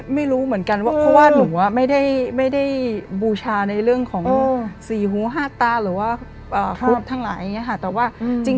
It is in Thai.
ไม่รู้เหมือนกันว่าเพราะว่าหนูไม่ได้บูชาในเรื่องของสี่หูห้าตาหรือว่าพวกทั้งหลายอย่างนี้ค่ะ